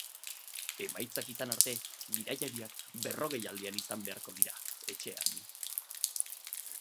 Emaitzak izan arte, bidaiariak berrogeialdian izan beharko dira, etxean.